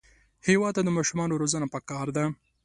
هېواد ته د ماشومانو روزنه پکار ده